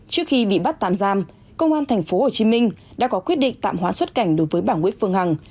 trước khi bị bắt tạm giam công an tp hcm đã có quyết định tạm hoãn xuất cảnh đối với bà nguyễn phương hằng